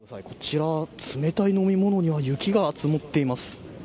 こちら、冷たい飲み物には雪が積もっています。